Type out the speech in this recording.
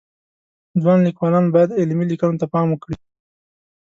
ځوان لیکوالان باید علمی لیکنو ته پام وکړي